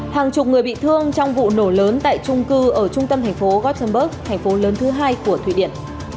hàng chục người bị thương trong vụ nổ lớn tại trung cư ở trung tâm thành phố gutnberg thành phố lớn thứ hai của thụy điển